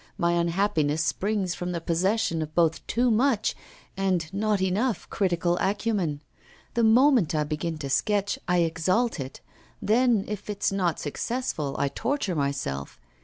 My unhappiness springs from the possession of both too much and not enough critical acumen. The moment I begin a sketch I exalt it, then, if it's not successful, I torture myself.